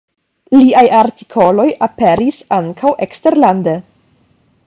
Liaj artikoloj aperis ankaŭ eksterlande.